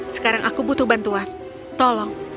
sekarang aku butuh bantuan tolong